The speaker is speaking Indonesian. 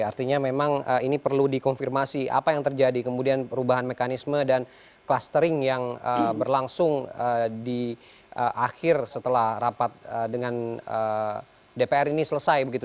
artinya memang ini perlu dikonfirmasi apa yang terjadi kemudian perubahan mekanisme dan clustering yang berlangsung di akhir setelah rapat dengan dpr ini selesai begitu